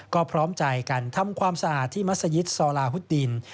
ก็พร้อมใจกันทำความสะอาดที่มัศยิตซอลาฮุดดิน